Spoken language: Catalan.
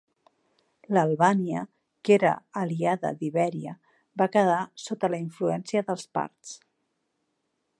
L'Albània, que era aliada d'Ibèria, va quedar sota la influència dels parts.